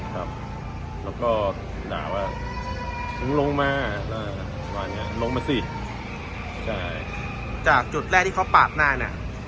แล้วก็ด่าว่าลงมาลงมาสิจากจุดแรกที่เขาปากหน้าน่ะ